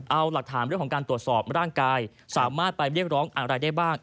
เอาหลักฐานเรื่องของการตรวจสอบร่างกายสามารถไปเรียกร้องอะไรได้บ้าง